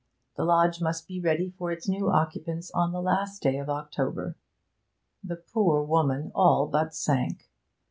The lodge must be ready for its new occupants on the last day of October.' The poor woman all but sank.